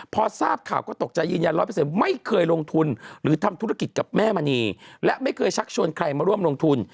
พอทราบข่าวก็ตกใจยืนยัน๑๐๐ไม่เคยลงทุนหรือทำธุรกิจกับแม่มณีและไม่เคยชักชวนใครมาร่วมลงทุน